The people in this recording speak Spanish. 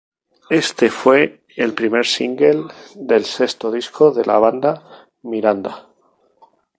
Este fue el primer single del sexto disco de la banda Miranda!.